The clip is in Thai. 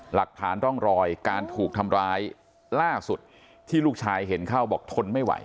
หลักฐานร่องรอยการถูกทำร้ายล่าสุดที่ลูกชายเห็นเข้าบอกทนไม่ไหว